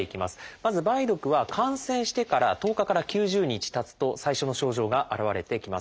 まず梅毒は感染してから１０日から９０日たつと最初の症状が現れてきます。